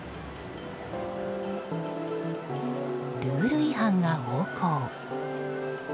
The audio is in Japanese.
ルール違反が横行。